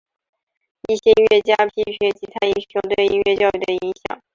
一些音乐家批评吉他英雄对音乐教育的影响。